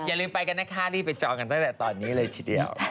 อย่าลืมไปกันนะคะรีบไปจองกันตั้งแต่ตอนนี้เลยทีเดียว